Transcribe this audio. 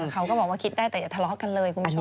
เขาก็บอกว่าคิดได้แต่อย่าทะเลาะกันเลยคุณผู้ชม